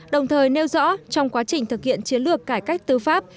đồng thời nêu rõ trong quá trình thực hiện chiến lược cải cách tư pháp